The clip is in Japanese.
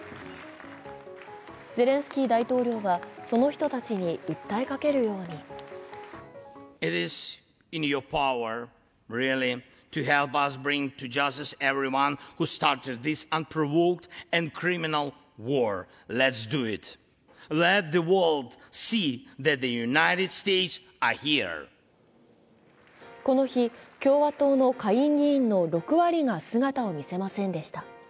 ゼレンスキー大統領は、その人たちに訴えかけるようにこの日、共和党の下院議員の６割が姿を見せませんでした。